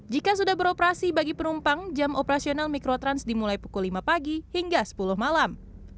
jika sudah beroperasi bagi penumpang jam operasional mikrotrans dimulai pukul lima pagi hingga sepuluh malam